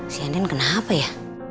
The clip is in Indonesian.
si andin kenapa ya